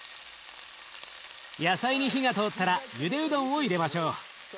野菜に火が通ったらゆでうどんを入れましょう。